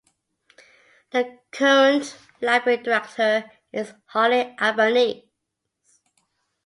The current library director is Holly Albanese.